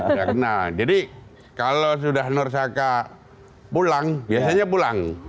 sudah kena jadi kalau sudah nur saka pulang biasanya pulang